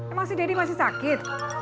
emang si deddy masih sakit